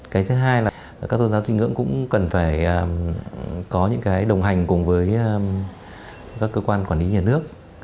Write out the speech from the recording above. cái thứ hai là các tôn giáo tín ngưỡng cũng cần phải có những cái đồng hành cùng với các cơ quan quản lý nhà nước